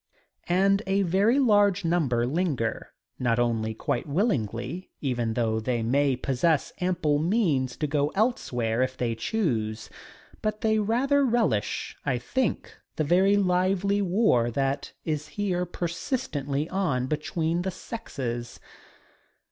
And a very large number linger, not only quite willingly, even though they may possess ample means to go elsewhere if they choose, but they rather relish, I think, the very lively war that is here persistently on between the sexes.